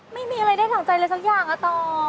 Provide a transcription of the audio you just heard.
ไม่มีอะไรได้ถังใจเลยสักอย่างอะต่อ